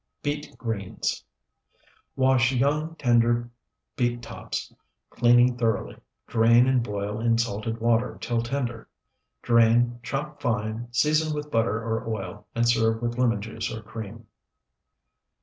BEET GREENS Wash young, tender beet tops, cleaning thoroughly; drain and boil in salted water till tender; drain, chop fine, season with butter or oil, and serve with lemon juice or cream.